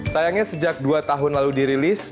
sayangnya sejak dua tahun lalu dirilis